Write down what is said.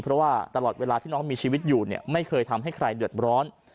เพราะว่าตลอดเวลาที่น้องมีชีวิตอยู่เนี่ยไม่เคยทำให้ใครเดือดร้อน